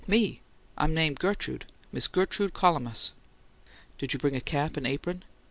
"Me? I'm name' Gertrude. Miss Gertrude Collamus." "Did you bring a cap and apron?"